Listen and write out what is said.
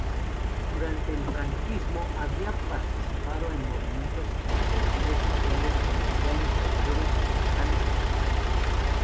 Durante el franquismo, había participado en movimientos estudiantiles, sociales, vecinales, obreros, culturales y políticos.